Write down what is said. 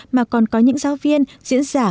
mà còn có những giáo viên diễn giả